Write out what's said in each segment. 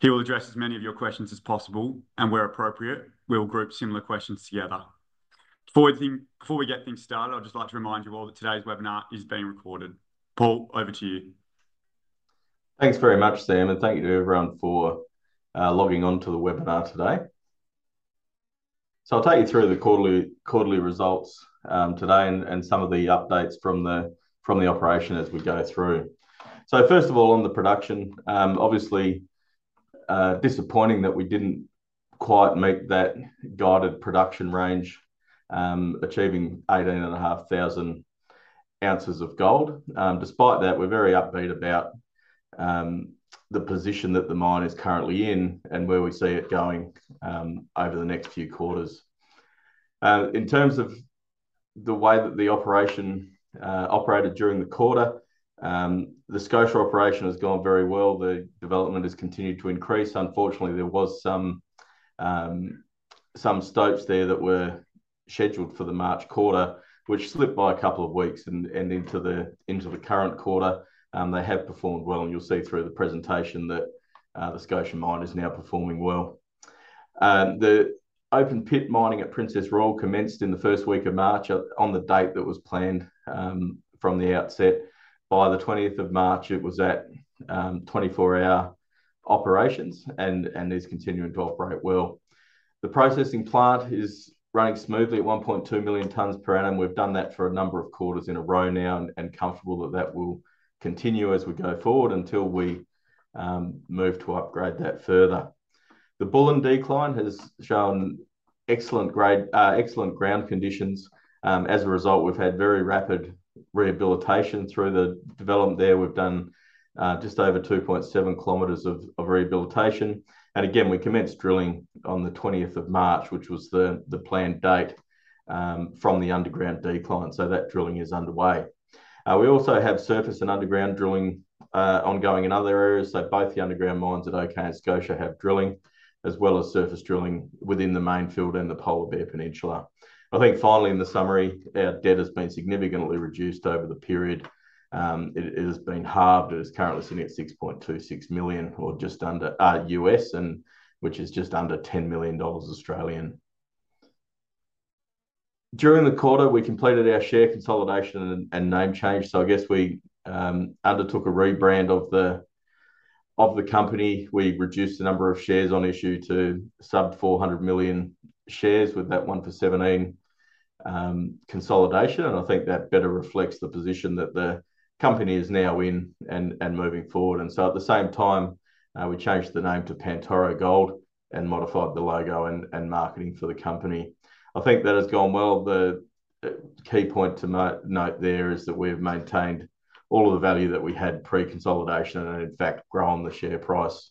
He will address as many of your questions as possible, and where appropriate, we'll group similar questions together. Before we get things started, I'd just like to remind you all that today's webinar is being recorded. Paul, over to you. Thanks very much, Sam, and thank you to everyone for logging on to the webinar today. I'll take you through the quarterly results today and some of the updates from the operation as we go through. First of all, on the production, obviously disappointing that we didn't quite meet that guided production range, achieving 18,500 ounces of gold. Despite that, we're very upbeat about the position that the mine is currently in and where we see it going over the next few quarters. In terms of the way that the operation operated during the quarter, the Scotia operation has gone very well. The development has continued to increase. Unfortunately, there were some stopes there that were scheduled for the March quarter, which slipped by a couple of weeks and into the current quarter. They have performed well, and you'll see through the presentation that the Scotia mine is now performing well. The open pit mining at Princess Royal commenced in the first week of March on the date that was planned from the outset. By the 20th of March, it was at 24-hour operations, and it's continuing to operate well. The processing plant is running smoothly at 1.2 million tonnes per annum. We've done that for a number of quarters in a row now and are comfortable that that will continue as we go forward until we move to upgrade that further. The Bullen decline has shown excellent ground conditions. As a result, we've had very rapid rehabilitation through the development there. We've done just over 2.7 km of rehabilitation. We commenced drilling on the 20th of March, which was the planned date from the underground decline. That drilling is underway. We also have surface and underground drilling ongoing in other areas. Both the underground mines at OK and Scotia have drilling, as well as surface drilling within the Mainfield and the Polar Bear Peninsula. I think finally, in the summary, our debt has been significantly reduced over the period. It has been halved. It is currently sitting at $6.26 million, which is just under 10 million Australian dollars. During the quarter, we completed our share consolidation and name change. I guess we undertook a rebrand of the company. We reduced the number of shares on issue to sub-400 million shares with that 1-for-17 consolidation. I think that better reflects the position that the company is now in and moving forward. At the same time, we changed the name to Pantoro Gold and modified the logo and marketing for the company. I think that has gone well. The key point to note there is that we have maintained all of the value that we had pre-consolidation and, in fact, grown the share price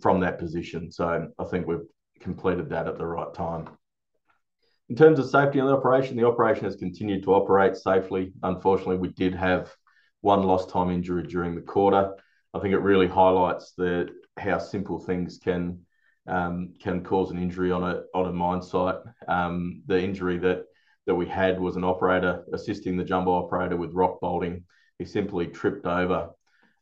from that position. I think we have completed that at the right time. In terms of safety and operation, the operation has continued to operate safely. Unfortunately, we did have one lost-time injury during the quarter. I think it really highlights how simple things can cause an injury on a mine site. The injury that we had was an operator assisting the jumbo operator with rock bolting. He simply tripped over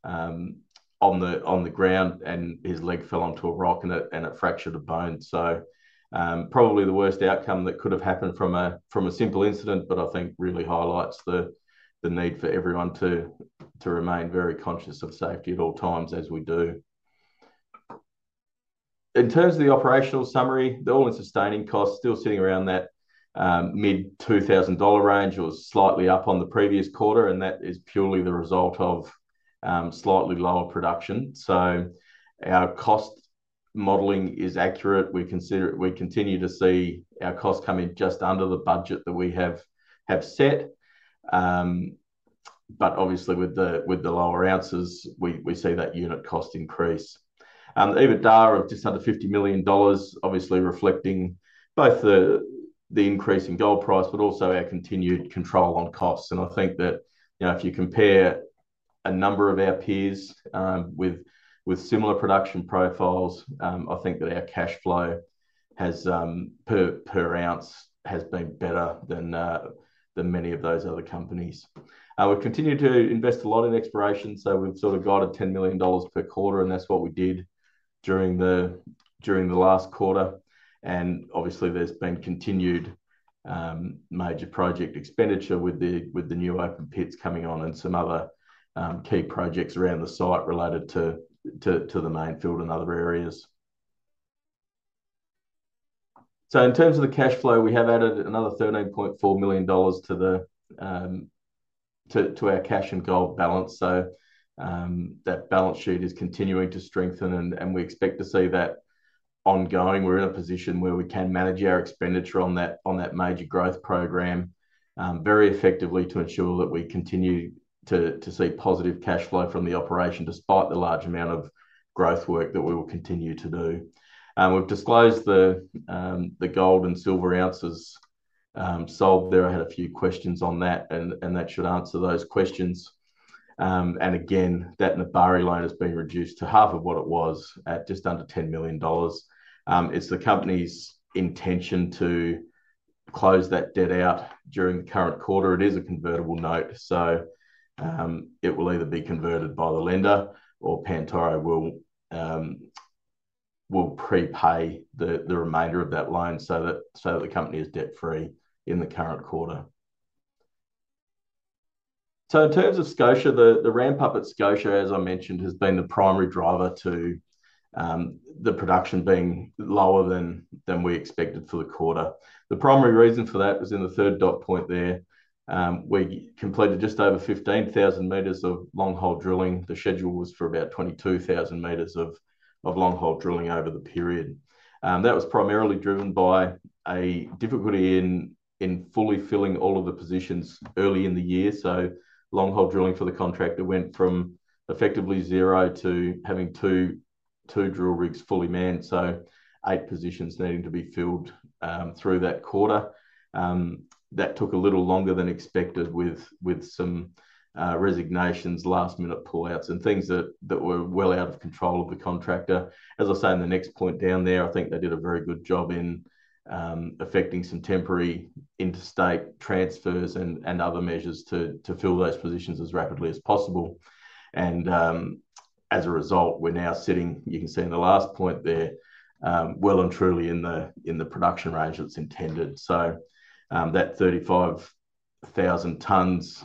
on the ground, and his leg fell onto a rock, and it fractured a bone. Probably the worst outcome that could have happened from a simple incident, but I think really highlights the need for everyone to remain very conscious of safety at all times as we do. In terms of the operational summary, the all-in sustaining costs are still sitting around that mid-AUD 2,000 range. It was slightly up on the previous quarter, and that is purely the result of slightly lower production. Our cost modeling is accurate. We continue to see our costs come in just under the budget that we have set. Obviously, with the lower ounces, we see that unit cost increase. EBITDA of just under 50 million dollars, obviously reflecting both the increase in gold price, but also our continued control on costs. I think that if you compare a number of our peers with similar production profiles, I think that our cash flow per ounce has been better than many of those other companies. We continue to invest a lot in exploration. We have sort of guided 10 million dollars per quarter, and that is what we did during the last quarter. Obviously, there has been continued major project expenditure with the new open pits coming on and some other key projects around the site related to the Mainfield and other areas. In terms of the cash flow, we have added another 13.4 million dollars to our cash and gold balance. That balance sheet is continuing to strengthen, and we expect to see that ongoing. We're in a position where we can manage our expenditure on that major growth program very effectively to ensure that we continue to see positive cash flow from the operation despite the large amount of growth work that we will continue to do. We've disclosed the gold and silver ounces sold there. I had a few questions on that, and that should answer those questions. That Nebari loan has been reduced to half of what it was at just under 10 million dollars. It's the company's intention to close that debt out during the current quarter. It is a convertible note. It will either be converted by the lender or Pantoro will prepay the remainder of that loan so that the company is debt-free in the current quarter. In terms of Scotia, the ramp-up at Scotia, as I mentioned, has been the primary driver to the production being lower than we expected for the quarter. The primary reason for that was in the third dot point there. We completed just over 15,000 meters of long-hole drilling. The schedule was for about 22,000 meters of long-hole drilling over the period. That was primarily driven by a difficulty in fully filling all of the positions early in the year. long-hole drilling for the contractor went from effectively zero to having two drill rigs fully manned. Eight positions needed to be filled through that quarter. That took a little longer than expected with some resignations, last-minute pull-outs, and things that were well out of control of the contractor. As I say, in the next point down there, I think they did a very good job in affecting some temporary interstate transfers and other measures to fill those positions as rapidly as possible. As a result, we're now sitting, you can see in the last point there, well and truly in the production range that's intended. That 35,000 tonnes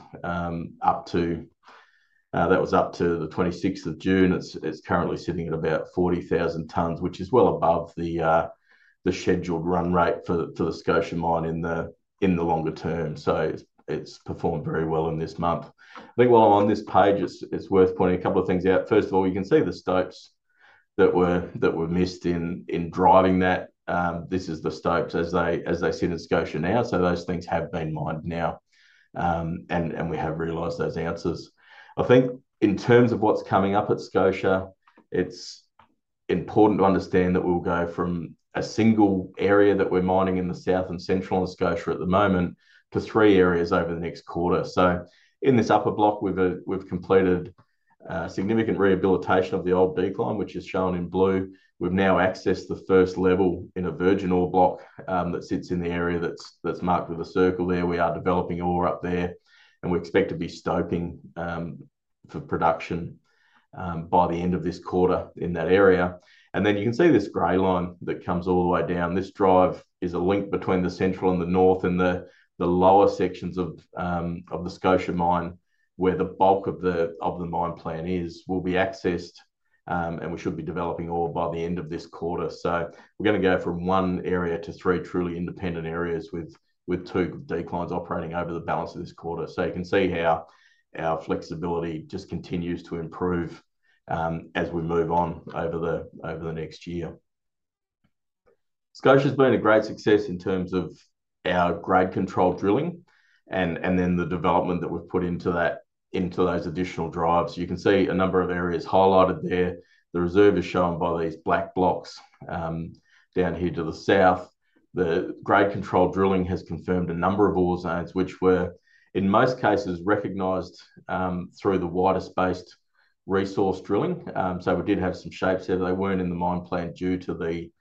that was up to the 26th of June, it's currently sitting at about 40,000 tonnes, which is well above the scheduled run rate for the Scotia mine in the longer term. It's performed very well in this month. I think while I'm on this page, it's worth pointing a couple of things out. First of all, you can see the stopes that were missed in driving that. This is the stopes as they sit in Scotia now. Those things have been mined now, and we have realised those ounces. I think in terms of what's coming up at Scotia, it's important to understand that we'll go from a single area that we're mining in the south and central Scotia at the moment to three areas over the next quarter. In this upper block, we've completed significant rehabilitation of the old decline, which is shown in blue. We've now accessed the first level in a virgin ore block that sits in the area that's marked with a circle there. We are developing ore up there, and we expect to be stoping for production by the end of this quarter in that area. You can see this grey line that comes all the way down. This drive is a link between the central and the north and the lower sections of the Scotia mine where the bulk of the mine plan is. We will be accessed, and we should be developing ore by the end of this quarter. We are going to go from one area to three truly independent areas with two declines operating over the balance of this quarter. You can see how our flexibility just continues to improve as we move on over the next year. Scotia's been a great success in terms grade control drilling and then the development that we have put into those additional drives. You can see a number of areas highlighted there. The reserve is shown by these black blocks down here to the south. grade control drilling has confirmed a number of ore zones, which were, in most cases, recognized through the widest-based resource drilling. We did have some shapes there. They were not in the mine plan due to the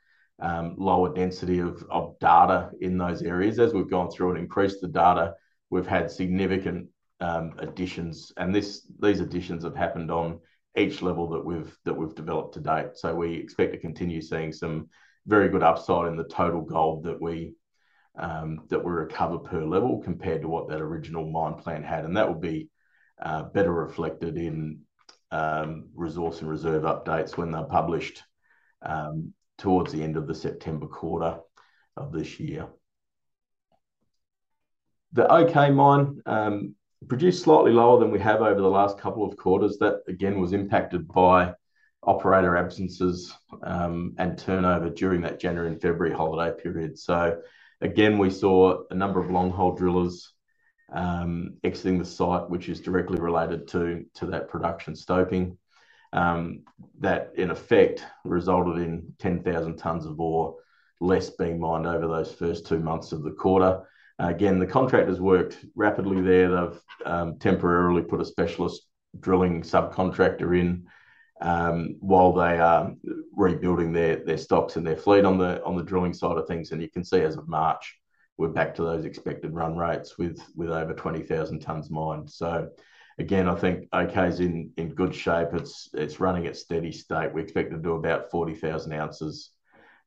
lower density of data in those areas. As we have gone through and increased the data, we have had significant additions. These additions have happened on each level that we have developed to date. We expect to continue seeing some very good upside in the total gold that we recover per level compared to what that original mine plan had. That will be better reflected in resource and reserve updates when they are published towards the end of the September quarter of this year. The OK mine produced slightly lower than we have over the last couple of quarters. That, again, was impacted by operator absences and turnover during that January and February holiday period. We saw a number of long-haul drillers exiting the site, which is directly related to that production stoping. That, in effect, resulted in 10,000 tonnes of ore less being mined over those first two months of the quarter. Again, the contractors worked rapidly there. They have temporarily put a specialist drilling subcontractor in while they are rebuilding their stocks and their fleet on the drilling side of things. You can see as of March, we are back to those expected run rates with over 20,000 tonnes mined. I think OK's in good shape. It is running at steady state. We expect to do about 40,000 ounces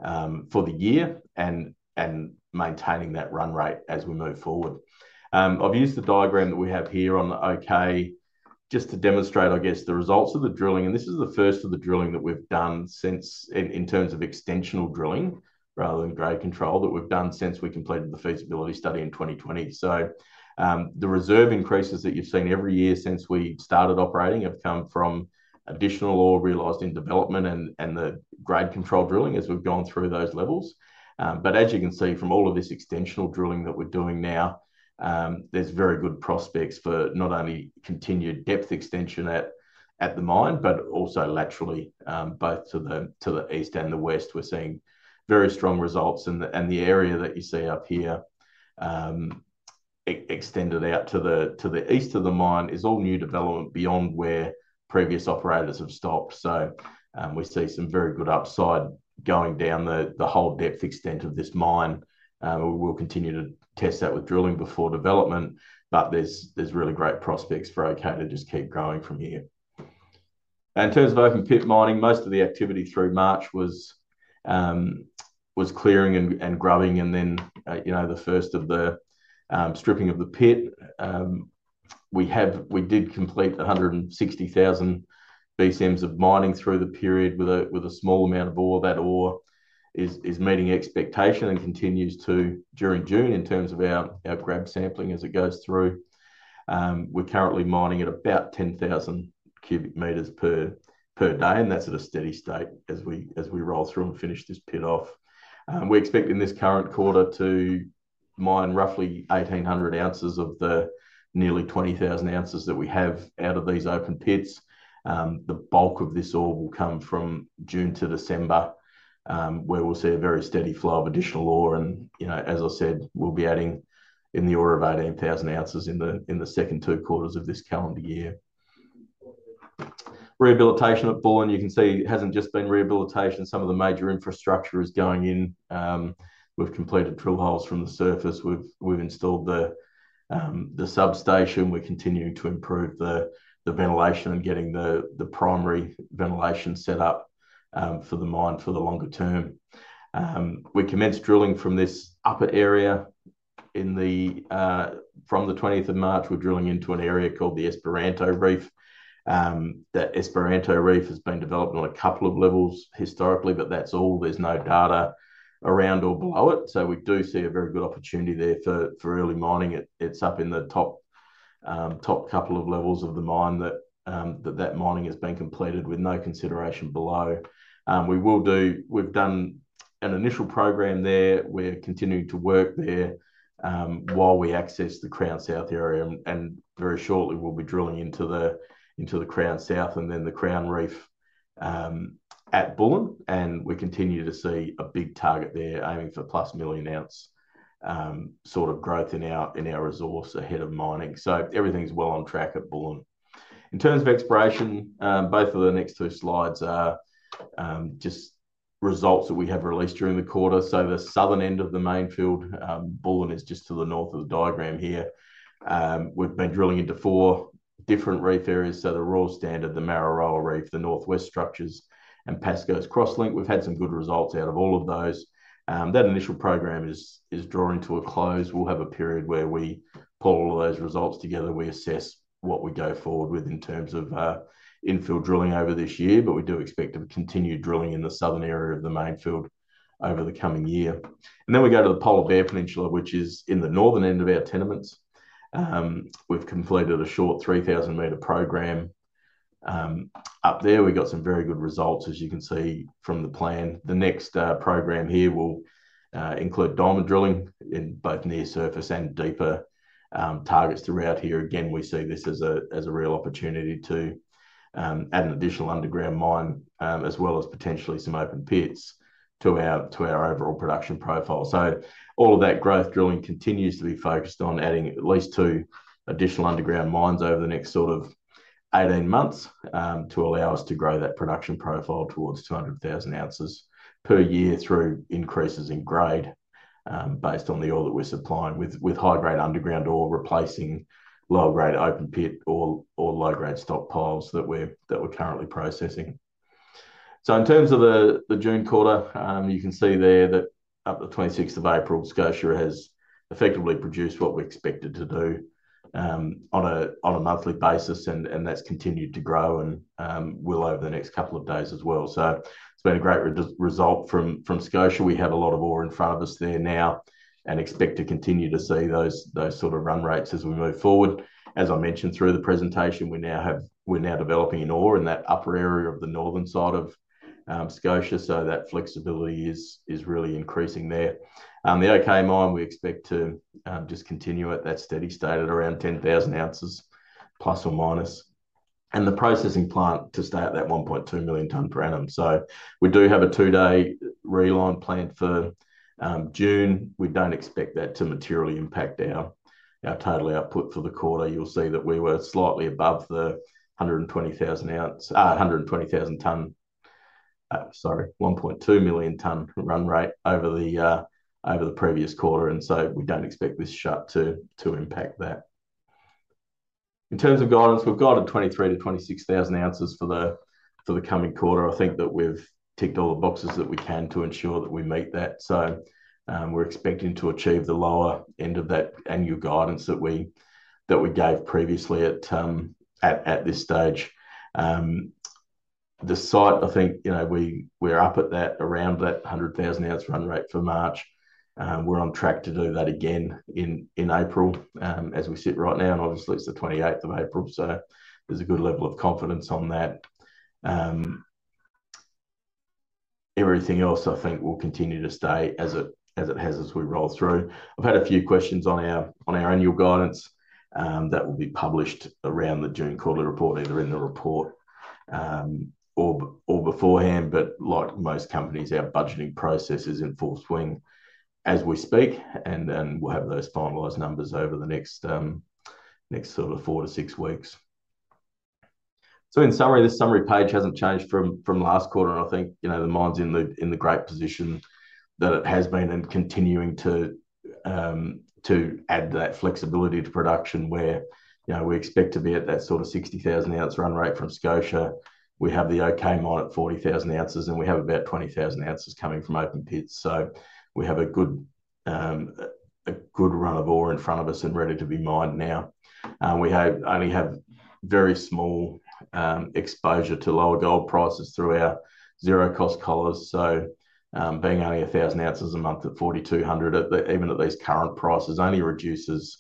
for the year and maintaining that run rate as we move forward. I have used the diagram that we have here on the OK just to demonstrate, I guess, the results of the drilling. This is the first of the drilling that we've done in terms of extensional drilling rather than grade control that we've done since we completed the feasibility study in 2020. The reserve increases that you've seen every year since we started operating have come from additional ore realized in development grade control drilling as we've gone through those levels. As you can see from all of this extensional drilling that we're doing now, there's very good prospects for not only continued depth extension at the mine, but also laterally both to the east and the west. We're seeing very strong results. The area that you see up here extended out to the east of the mine is all new development beyond where previous operators have stopped. We see some very good upside going down the whole depth extent of this mine. We will continue to test that with drilling before development, but there's really great prospects for OK to just keep growing from here. In terms of open pit mining, most of the activity through March was clearing and grubbing. The first of the stripping of the pit, we did complete the 160,000 BCMs of mining through the period with a small amount of ore. That ore is meeting expectation and continues to during June in terms of our grab sampling as it goes through. We are currently mining at about 10,000 cubic metres per day, and that is at a steady state as we roll through and finish this pit off. We expect in this current quarter to mine roughly 1,800 ounces of the nearly 20,000 ounces that we have out of these open pits. The bulk of this ore will come from June to December, where we'll see a very steady flow of additional ore. As I said, we'll be adding in the ore of 18,000 ounces in the second two quarters of this calendar year. Rehabilitation at Bullen, and you can see it hasn't just been rehabilitation. Some of the major infrastructure is going in. We've completed drill holes from the surface. We've installed the substation. We're continuing to improve the ventilation and getting the primary ventilation set up for the mine for the longer term. We commenced drilling from this upper area from the 20th of March. We're drilling into an area called the Esperanto Reef. That Esperanto Reef has been developed on a couple of levels historically, but that's all. There's no data around or below it. We do see a very good opportunity there for early mining. It's up in the top couple of levels of the mine that mining has been completed with no consideration below. We've done an initial program there. We're continuing to work there while we access the Crown South area. Very shortly, we'll be drilling into the Crown South and then the Crown Reef at Bullen. We continue to see a big target there, aiming for plus million ounce sort of growth in our resource ahead of mining. Everything's well on track at Bullen. In terms of exploration, both of the next two slides are just results that we have released during the quarter. The southern end of the Mainfield, Bullen, is just to the north of the diagram here. We've been drilling into four different reef areas: the Royal Standard, the Mararoa Reef, the Northwest Structures, and Pascoe's Crosslink. We've had some good results out of all of those. That initial program is drawing to a close. We'll have a period where we pull all of those results together. We assess what we go forward with in terms of infill drilling over this year. We do expect to continue drilling in the southern area of the Mainfield over the coming year. We go to the Polar Bear Peninsula, which is in the northern end of our tenements. We've completed a short 3,000-meter program up there. We've got some very good results, as you can see, from the plan. The next program here will include diamond drilling in both near-surface and deeper targets throughout here. Again, we see this as a real opportunity to add an additional underground mine as well as potentially some open pits to our overall production profile. All of that growth drilling continues to be focused on adding at least two additional underground mines over the next sort of 18 months to allow us to grow that production profile towards 200,000 ounces per year through increases in grade based on the ore that we're supplying with high-grade underground ore replacing low-grade open pit or low-grade stockpiles that we're currently processing. In terms of the June quarter, you can see there that up to the 26th of April, Scotia has effectively produced what we expected to do on a monthly basis. That's continued to grow and will over the next couple of days as well. It's been a great result from Scotia. We have a lot of ore in front of us there now and expect to continue to see those sort of run rates as we move forward. As I mentioned through the presentation, we're now developing an ore in that upper area of the northern side of Scotia. That flexibility is really increasing there. The OK mine, we expect to just continue at that steady state at around 10,000 ounces, plus or minus. The processing plant is to start at that 1.2 million tonnes per annum. We do have a two-day reline planned for June. We do not expect that to materially impact our total output for the quarter. You will see that we were slightly above the 1.2 million tonnes run rate over the previous quarter. We do not expect this shot to impact that. In terms of guidance, we have got a 23,000 ounces to 26,000 ounces for the coming quarter. I think that we have ticked all the boxes that we can to ensure that we meet that. We're expecting to achieve the lower end of that annual guidance that we gave previously at this stage. The site, I think we're up at around that 100,000 ounce run rate for March. We're on track to do that again in April as we sit right now. Obviously, it's the 28th of April. There's a good level of confidence on that. Everything else, I think, will continue to stay as it has as we roll through. I've had a few questions on our annual guidance that will be published around the June quarter report, either in the report or beforehand. Like most companies, our budgeting process is in full swing as we speak. We'll have those finalised numbers over the next four to six weeks. In summary, the summary page hasn't changed from last quarter. I think the mine is in the great position that it has been and continuing to add that flexibility to production where we expect to be at that sort of 60,000 ounce run rate from Scotia. We have the OK mine at 40,000 ounces, and we have about 20,000 ounces coming from open pits. We have a good run of ore in front of us and ready to be mined now. We only have very small exposure to lower gold prices through our zero-cost collars. Being only 1,000 ounces a month at 4,200, even at these current prices, only reduces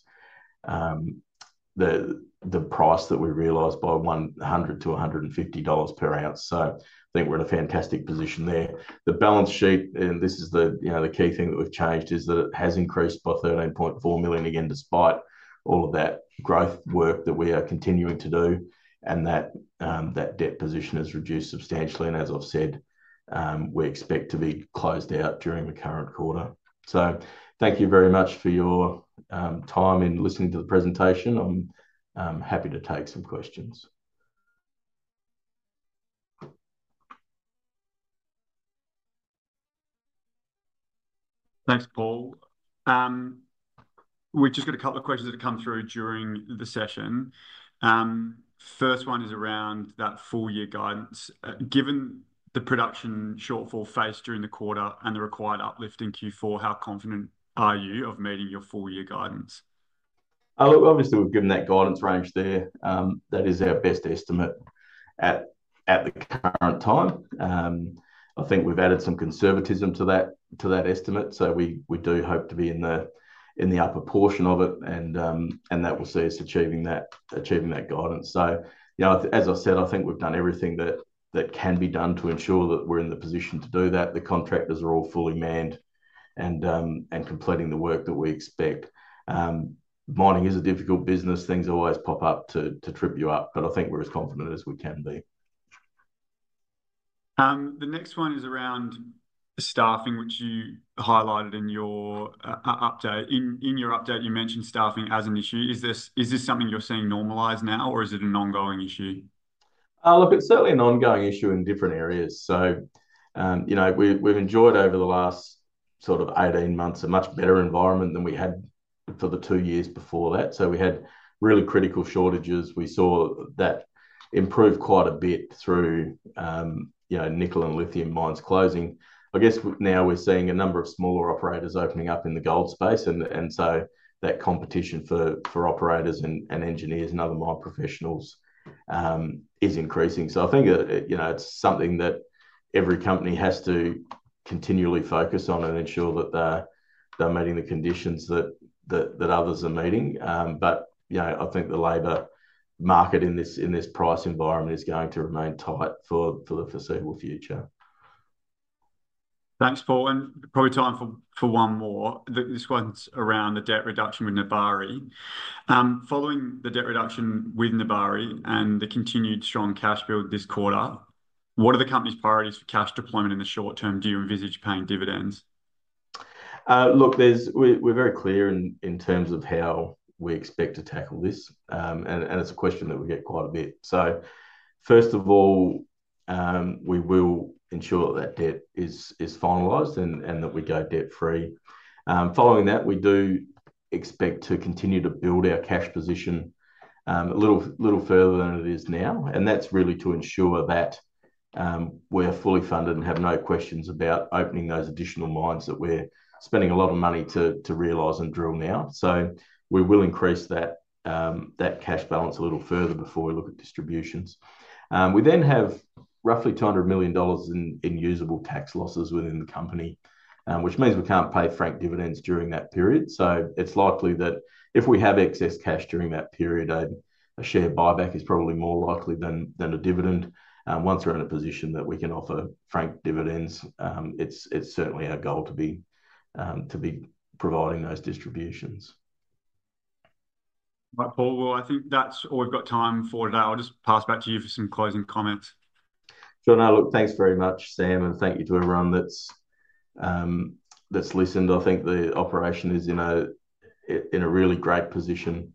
the price that we realize by 100 to 150 dollars per ounce. I think we are in a fantastic position there. The balance sheet, and this is the key thing that we've changed, is that it has increased by 13.4 million, again, despite all of that growth work that we are continuing to do. That debt position has reduced substantially. As I've said, we expect to be closed out during the current quarter. Thank you very much for your time in listening to the presentation. I'm happy to take some questions. Thanks, Paul. We've just got a couple of questions that have come through during the session. First one is around that four-year guidance. Given the production shortfall faced during the quarter and the required uplift in Q4, how confident are you of meeting your four-year guidance? Obviously, we've given that guidance range there. That is our best estimate at the current time. I think we've added some conservatism to that estimate. We do hope to be in the upper portion of it, and that will see us achieving that guidance. As I said, I think we've done everything that can be done to ensure that we're in the position to do that. The contractors are all fully manned and completing the work that we expect. Mining is a difficult business. Things always pop up to trip you up. I think we're as confident as we can be. The next one is around staffing, which you highlighted in your update. In your update, you mentioned staffing as an issue. Is this something you're seeing normalise now, or is it an ongoing issue? Look, it's certainly an ongoing issue in different areas. We've enjoyed, over the last sort of 18 months, a much better environment than we had for the two years before that. We had really critical shortages. We saw that improve quite a bit through nickel and lithium mines closing. I guess now we're seeing a number of smaller operators opening up in the gold space. That competition for operators and engineers and other mine professionals is increasing. I think it's something that every company has to continually focus on and ensure that they're meeting the conditions that others are meeting. I think the labour market in this price environment is going to remain tight for the foreseeable future. Thanks, Paul. Probably time for one more. This one's around the debt reduction with Nebari. Following the debt reduction with Nebari and the continued strong cash build this quarter, what are the company's priorities for cash deployment in the short term? Do you envisage paying dividends? Look, we're very clear in terms of how we expect to tackle this. It's a question that we get quite a bit. First of all, we will ensure that that debt is finalised and that we go debt-free. Following that, we do expect to continue to build our cash position a little further than it is now. That's really to ensure that we're fully funded and have no questions about opening those additional mines that we're spending a lot of money to realise and drill now. We will increase that cash balance a little further before we look at distributions. We then have roughly 200 million dollars in usable tax losses within the company, which means we can't pay franked dividends during that period. It's likely that if we have excess cash during that period, a share buyback is probably more likely than a dividend. Once we're in a position that we can offer franked dividends, it's certainly our goal to be providing those distributions. Right, Paul. I think that's all we've got time for today. I'll just pass back to you for some closing comments. Sure. No, look, thanks very much, Sam, and thank you to everyone that's listened. I think the operation is in a really great position.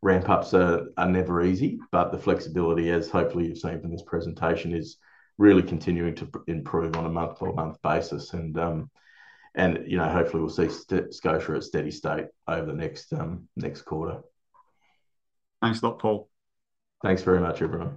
Ramp-ups are never easy, but the flexibility, as hopefully you've seen from this presentation, is really continuing to improve on a month-by-month basis. Hopefully, we'll see Scotia at steady state over the next quarter. Thanks a lot, Paul. Thanks very much, everyone.